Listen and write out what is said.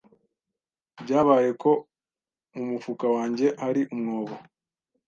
Byabaye ko mu mufuka wanjye hari umwobo.